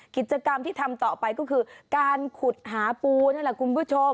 กิจกรรมที่ทำต่อไปก็คือการขุดหาปูนี่แหละคุณผู้ชม